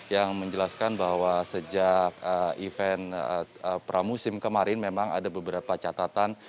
yang menjelaskan bahwa sejak event pramusim kemarin memang ada beberapa catatan